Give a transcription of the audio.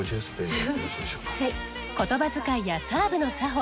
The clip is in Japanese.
言葉づかいやサーブの作法